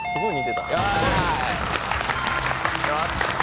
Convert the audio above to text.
やった。